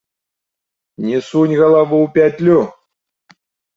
Не сунь галаву ў пятлю!